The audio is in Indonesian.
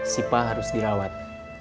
syifa harus dirawat